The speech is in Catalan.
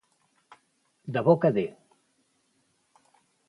De boca de.